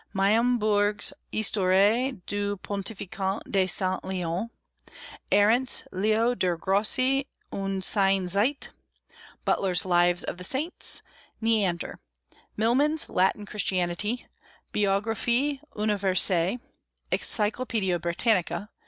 Maimbourg's Histoire du Pontificat de Saint Léon; Arendt's Leo der Grosse und seine Zeit; Butler's Lives of the Saints; Neander; Milman's Latin Christianity; Biographie Universelle; Encyclopaedia Britannica.